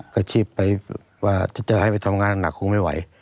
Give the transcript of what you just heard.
ก็คิดว่าถ้าจะให้ไปทำงานนั่นหนักคงไม่ไหว